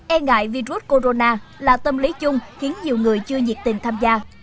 e ngại virus corona là tâm lý chung khiến nhiều người chưa nhiệt tình tham gia